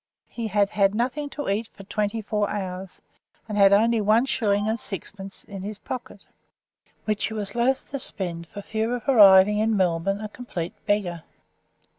He had had nothing to eat for twenty four hours, and had only one shilling and sixpence in his pocket, which he was loath to spend for fear of arriving in Melbourne a complete beggar.